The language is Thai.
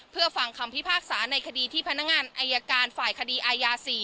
เพื่อฟังคำพิพากษาในคดีที่พนักงานอายการฝ่ายคดีอายา๔